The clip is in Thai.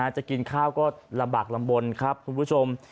จะกินข้าวก็ลำบากลำบลครับคุณผู้ชม